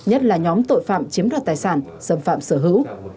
nhất là nhóm tội phạm chiếm đoạt tài sản xâm phạm sở hữu